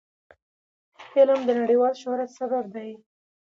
علم د نړیوال شهرت سبب دی.